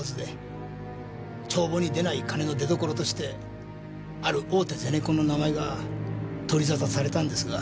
帳簿に出ない金の出所としてある大手ゼネコンの名前が取り沙汰されたんですが。